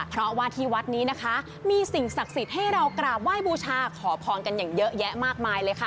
เพราะว่าที่วัดนี้นะคะมีสิ่งศักดิ์สิทธิ์ให้เรากราบไหว้บูชาขอพรกันอย่างเยอะแยะมากมายเลยค่ะ